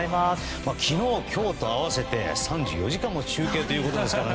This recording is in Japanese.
昨日今日と合わせて３４時間も中継ということですから。